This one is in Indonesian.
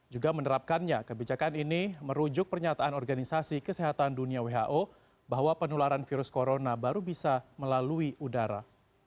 juga menerapkannya kebijakan ini merujuk pernyataan organisasi kesehatan dunia who bahwa penularan virus corona baru bisa melalui udara